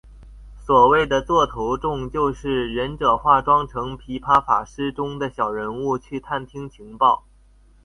所谓的座头众就是忍者化妆成琵琶法师中的小人物去探听情报。